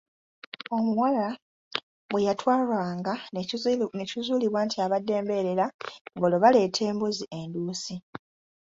"Omuwala bwe yatwalwanga ne kizuulibwa nti abadde mbeerera, ng’olwo baleeta embuzi enduusi."